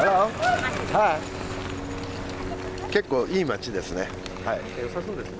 結構いい街ですね。